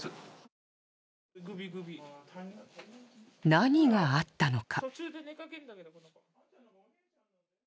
何があったのか。